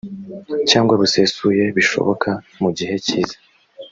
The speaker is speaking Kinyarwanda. cyangwa busesuye bishoboka mu gihe kiza